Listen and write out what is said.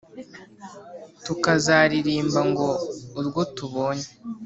Tukazaririmba ngo urwo tubonye